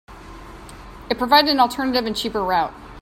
It provided an alternative and cheaper route.